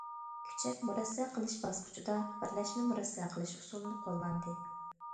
كۈچەپ مۇرەسسە قىلىش باسقۇچىدا‹‹ بىرلەشمە مۇرەسسە قىلىش›› ئۇسۇلنى قوللاندى.